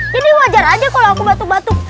jadi wajar aja kalau aku batuk batuk